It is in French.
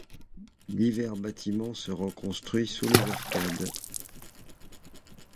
Divers bâtiments seront construits sous les arcades.